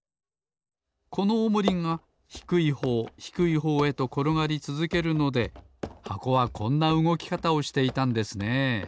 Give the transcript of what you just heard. このおもりがひくいほうひくいほうへところがりつづけるので箱はこんなうごきかたをしていたんですねえ。